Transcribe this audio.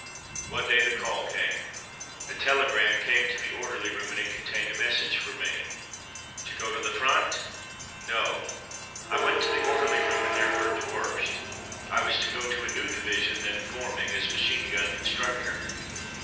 One day the call came. A telegram came to the orderly room, and it contained a message for me. To go to the front .^ No! I went to the orderly room and there heard the worst. I was to go to a new division, then forming, as machine gun instructor.